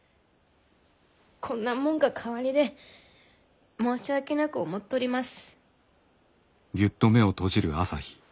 こんなもんが代わりで申し訳なく思っとります。